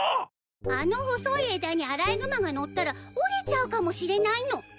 あの細い枝にアライグマが乗ったら折れちゃうかもしれないの。